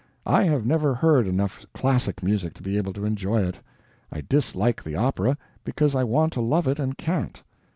I have never heard enough classic music to be able to enjoy it. I dislike the opera because I want to love it and can't.